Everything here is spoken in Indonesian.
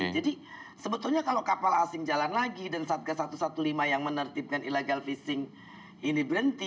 jadi sebetulnya kalau kapal asing jalan lagi dan satgas satu ratus lima belas yang menertibkan illegal fishing ini berhenti